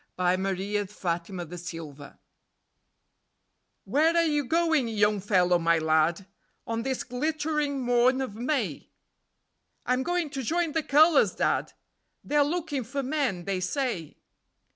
_" Young Fellow My Lad "Where are you going, Young Fellow My Lad, On this glittering morn of May?" "I'm going to join the Colours, Dad; They're looking for men, they say."